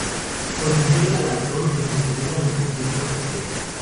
Consiguió el galardón en su segunda nominación por "Jezabel".